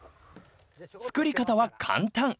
［作り方は簡単］